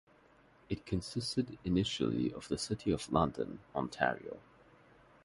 It consisted initially of the City of London, Ontario.